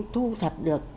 thu thập được